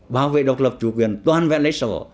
bảo vệ độc lập chủ quyền toàn vẹn lấy sổ